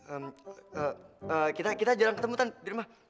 eh kita kita jarang ketemu tan di rumah